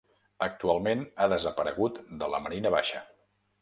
Actualment ha desaparegut de la Marina Baixa.